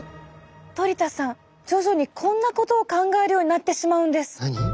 トリ田さん徐々にこんなことを考えるようになってしまうんです。